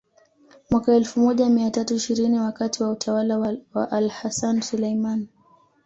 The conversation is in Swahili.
Mwaka elfu moja mia tatu ishirini wakati wa utawala wa AlHassan Sulaiman